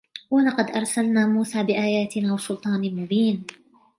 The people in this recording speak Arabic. وَلَقَدْ أَرْسَلْنَا مُوسَى بِآيَاتِنَا وَسُلْطَانٍ مُبِينٍ